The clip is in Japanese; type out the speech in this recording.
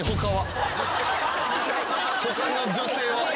他の女性は。